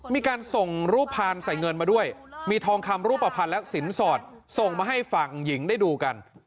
มีการส่งรูปพานใส่เงินมาด้วยมีทองคำรูปภัณฑ์และสินสอดส่งมาให้ฝั่งหญิงได้ดูกัน